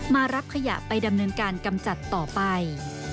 มารับขยะไปดำเนินการกำจัดต่อไป